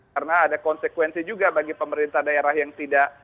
karena ada konsekuensi juga bagi pemerintah daerah yang tidak